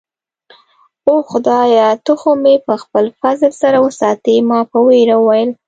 اوه، خدایه، ته خو مې په خپل فضل سره وساتې. ما په ویره وویل.